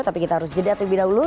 tapi kita harus jeda terlebih dahulu